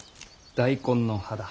大根の葉だ。